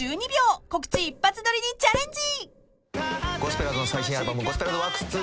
［告知一発撮りにチャレンジ］